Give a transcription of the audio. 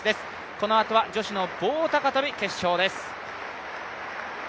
このあとは女子棒高跳決勝です。